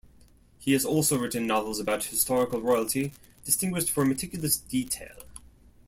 He has also written novels about historical royalty, distinguished for meticulous detail.